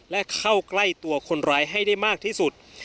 และเข้าใกล้ตัวคนร้ายให้ได้มากที่สุด